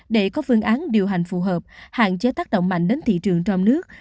để có phương án điều hành phù hợp hạn chế tác động mạnh đến thị trường trong nước